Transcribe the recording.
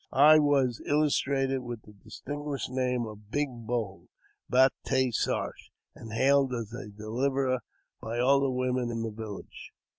I was illustrated with the distinguished name of Big Bowl (Bat te sarsh), and hailed as a deliverer by all the women in the village.